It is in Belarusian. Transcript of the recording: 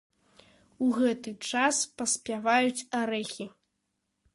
У гэты час паспяваюць арэхі.